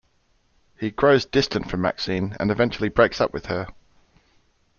He grows distant from Maxine and eventually breaks up with her.